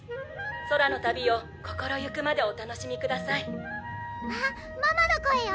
空の旅を心行くまでお楽しみくださいあっママの声よ！